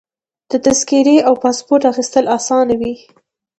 د تذکرې او پاسپورټ اخیستل اسانه وي.